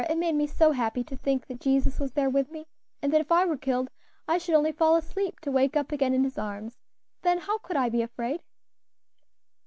it made me so happy to think that Jesus was there with me, and that if I were killed, I should only fall asleep, to wake up again in His arms; then how could I be afraid?"